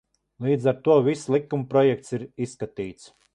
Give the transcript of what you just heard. Līdz ar to viss likumprojekts ir izskatīts.